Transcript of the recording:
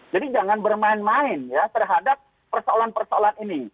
jadi jangan bermain main ya terhadap persoalan persoalan ini